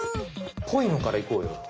こいのからいこうよ。